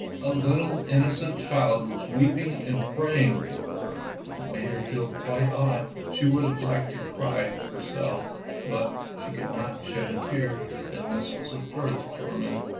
A little innocent child was weeping and praying for her, and it made her feel quite odd; she would have liked to cry her self, but she could not shed a tear, and this was a further torment.